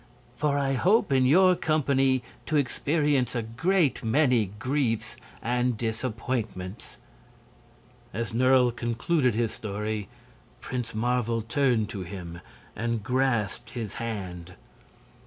For I hope in your company to experience a great many griefs and disappointments." As Nerle concluded his story Prince Marvel turned to him and grasped his hand.